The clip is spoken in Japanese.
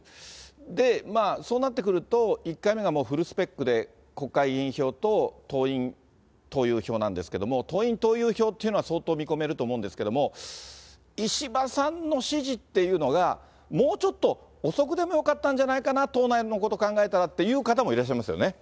で、そうなってくると、１回目がもうフルスペックで国会議員票と党員・党友票なんですけれども、党員・党友票というのは相当見込めると思うんですけども、石破さんの支持っていうのが、もうちょっと遅くてもよかったんじゃないかな、党内のこと考えたらという方もいらっしゃいますよね。